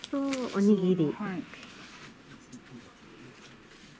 おにぎり。